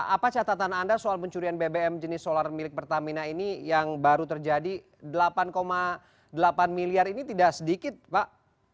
apa catatan anda soal pencurian bbm jenis solar milik pertamina ini yang baru terjadi delapan delapan miliar ini tidak sedikit pak